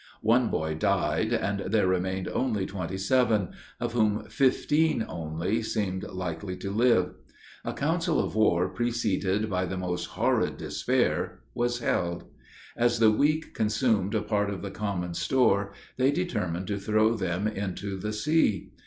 One boy died, and there remained only twenty seven; of whom fifteen only seemed likely to live. A council of war, preceded by the most horrid despair, was held; as the weak consumed a part of the common store, they determined to throw them into the sea.